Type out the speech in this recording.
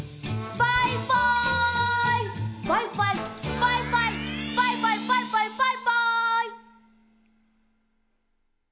バイバイバイバイバイバイバイバイバイバイ。